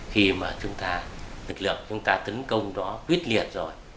khi mà chúng ta lực lượng chúng ta tấn công đó quyết liệt rồi